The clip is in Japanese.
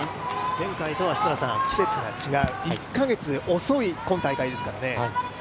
前回とは季節が違う、１か月遅い今大会ですからね。